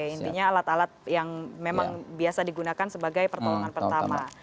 intinya alat alat yang memang biasa digunakan sebagai pertolongan pertama